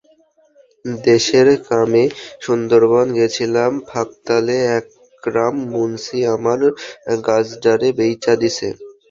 দেশের কামে সুন্দরবন গেছিলাম, ফাঁকতালে আকরাম মুন্সি আমার গাছডারে বেইচা দিছে।